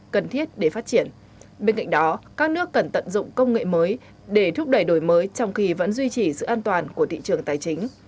cần thiết để phát triển bên cạnh đó các nước cần tận dụng công nghệ mới để thúc đẩy đổi mới trong khi vẫn duy trì sự an toàn của thị trường tài chính